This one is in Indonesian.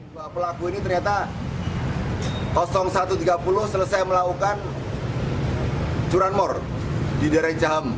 dua pelaku ini ternyata satu ratus tiga puluh selesai melakukan curanmor di daerah jaham